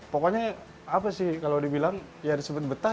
pokoknya apa sih kalau dibilang ya disebut betah